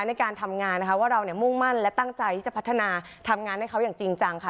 ในการทำงานนะคะว่าเราเนี่ยมุ่งมั่นและตั้งใจที่จะพัฒนาทำงานให้เขาอย่างจริงจังค่ะ